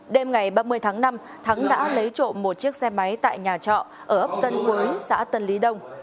đêm ngày ba mươi tháng năm thắng đã lấy trộm một chiếc xe máy tại nhà trọ ở ấp tân quế xã tân lý đông